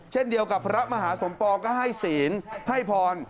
เช่นเดียวกับพระมหาสมปองก็ให้ศีลให้พร